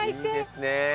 いいですね。